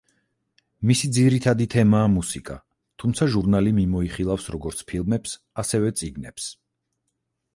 მისი ძირითადი თემაა მუსიკა, თუმცა ჟურნალი მიმოიხილავს როგორც ფილმებს, ასევე წიგნებს.